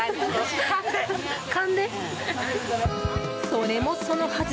それもそのはず。